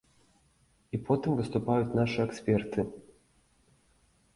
І потым выступаюць нашы эксперты.